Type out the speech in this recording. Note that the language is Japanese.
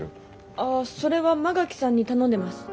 あっそれは馬垣さんに頼んでます。